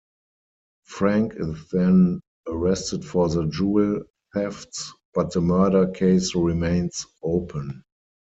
Frank is then arrested for the jewel thefts, but the murder case remains open.